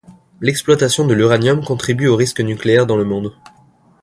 L'exploitation de l'uranium contribue au risque nucléaire dans le monde.